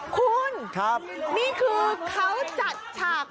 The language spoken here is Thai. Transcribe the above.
คุณนี่คือเขาจัดฉาก